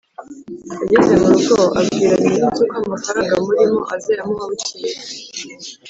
Ageze mu rugo abwira nyiri inzu ko amafaranga amurimo azayamuha bukeye